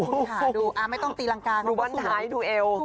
คุณค่ะดูไม่ต้องตีรังกาดูเบิ้ลท้ายดูเอว